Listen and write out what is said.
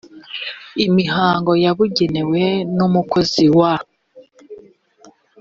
imihango yabugenewe n umukozi wa